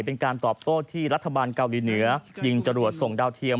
เป็นการตอบโต้ที่รัฐบาลเกาหลีเหนือยิงจรวดส่งดาวเทียม